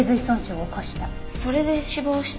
それで死亡した